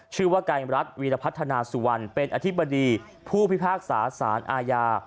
ชื่อว่าไกรรัฐวีรพัฒนาสุวรรณเป็นอธิบดีผู้พิพากษาสารอาญา